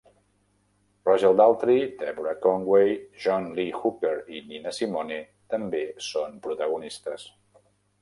Roger Daltrey, Deborah Conway, John Lee Hooker i Nina Simone també són protagonistes.